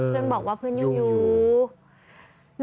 เพื่อนบอกว่าเพื่อนอยู่